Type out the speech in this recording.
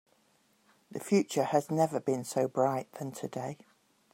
The future has never been so bright than today.